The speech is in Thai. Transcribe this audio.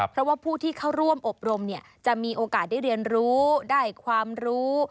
เพราะว่าผู้ที่เข้าร่วมอบรมเนี่ยจะมีโอกาสได้เรียนรู้ได้ความรู้